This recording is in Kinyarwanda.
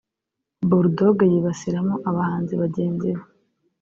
Bull Dogg yibasiramo abahanzi bagenzi be